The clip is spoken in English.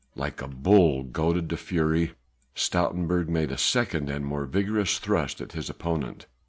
Like a bull goaded to fury Stoutenburg made a second and more vigorous thrust at his opponent.